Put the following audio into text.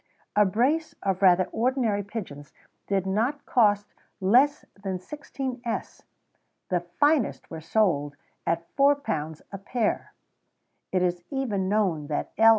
A brace of rather ordinary pigeons did not cost less than 16s.: the finest were sold at £4 a pair. It is even known that L.